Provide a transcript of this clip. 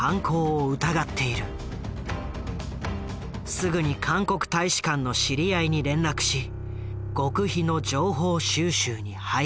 すぐに韓国大使館の知り合いに連絡し極秘の情報収集に入った。